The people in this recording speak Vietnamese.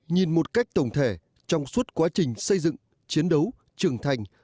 nhìn một cách tổng thể trong suốt quá trình xây dựng chiến đấu trưởng thành